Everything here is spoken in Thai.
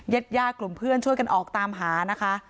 ญาติญาติกลุ่มเพื่อนช่วยกันออกตามหานะคะ